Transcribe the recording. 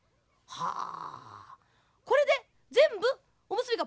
はあ。